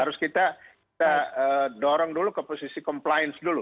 harus kita dorong dulu ke posisi compliance dulu